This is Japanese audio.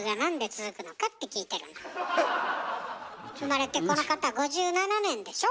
生まれてこの方５７年でしょ？